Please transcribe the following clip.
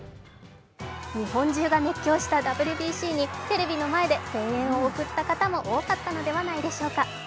日本中が熱狂したＷＢＣにテレビの前で声援を送った方も多かったのではないでしょうか。